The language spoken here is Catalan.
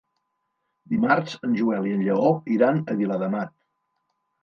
Dimarts en Joel i en Lleó iran a Viladamat.